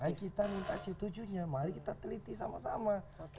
ayo kita minta c tujuh nya mari kita teliti sama sama